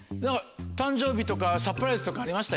誕生日とかサプライズとかありました？